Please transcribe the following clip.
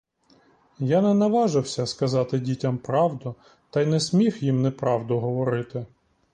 Я не наважився сказати дітям правду та й не смів їм неправду говорити.